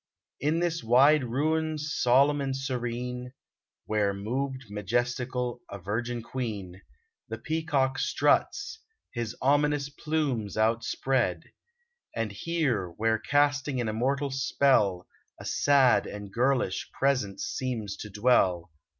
In this wide ruin solemn and serene, Where moved majestical a virgin queen, 128 KENILWORTH The peacock struts, his ominous plumes out spread ; And here, where casting an immortal spell A sad and girlish presence seems to dwell.